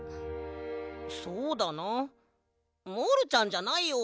そうだなモールちゃんじゃないよ。